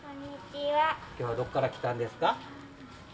今日はどこから来たんですか？